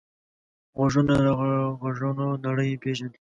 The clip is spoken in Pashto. غوږونه له غږونو نړۍ پېژني